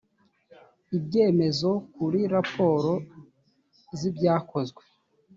ibyemezo kuri raporo z ibyakozwe